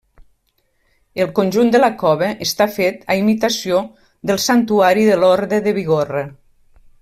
El conjunt de la cova està fet a imitació del Santuari de Lorda de Bigorra.